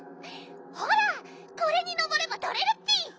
ほらこれに上ればとれるッピ！